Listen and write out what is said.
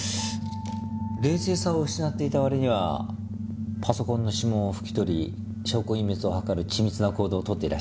冷静さを失っていた割にはパソコンの指紋を拭き取り証拠隠滅を図る緻密な行動を取っていらっしゃいますが。